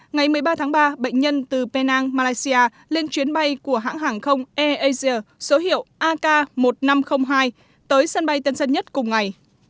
ngày một mươi ba tháng ba bệnh nhân từ penang malaysia lên chuyến bay của hãng hàng không airasia số hiệu ak một nghìn năm trăm linh hai tới sân bay tân sân nhất cùng ngày